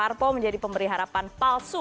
jangan sampai parpo menjadi pemberi harapan palsu